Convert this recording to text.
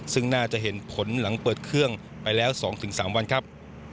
ซึ่งน่าจะเห็นผลหลังเปิดเครื่องไปแล้ว๒๓วันครับ